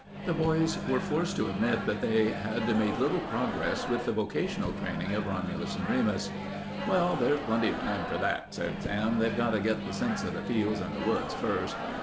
The boys were forced to admit that they had made little progress with the vocational training of Romulus and Remus. "Well, there's plenty of time for that," said Sam. "They've got to get the sense of the fields and the woods first.